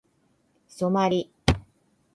ソマリ